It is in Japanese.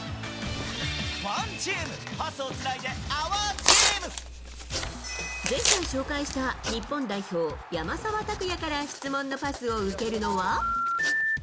ＯＮＥＴＥＡＭパスをつない前回紹介した日本代表、山沢拓也から質問のパスを受けるのは。